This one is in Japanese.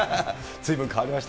ずいぶん変わりました。